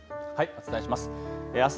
お伝えします。